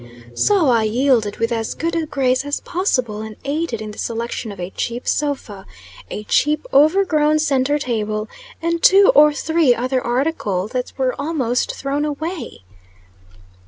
So, I yielded with as good a grace as possible, and aided in the selection of a cheap sofa, a cheap, overgrown centre table, and two or three other article that were almost "thrown away."